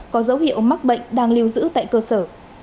có dấu hiệu mắc bệnh đang lưu giữ tại cơ sở